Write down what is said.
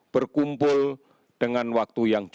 berkumpul dengan waktu yang jauh